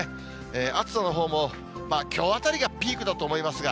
暑さのほうもきょうあたりがピークだと思いますが、